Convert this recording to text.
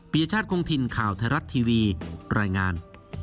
ยชาติคงถิ่นข่าวไทยรัฐทีวีรายงาน